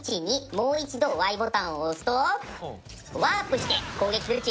もう一度Ｙボタンを押すとワープして攻撃するッチ。